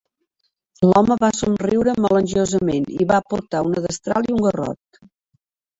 L'home va somriure melangiosament i va portar una destral i un garrot.